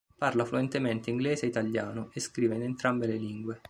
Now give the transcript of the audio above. Parla fluentemente inglese e italiano, e scrive in entrambe le lingue.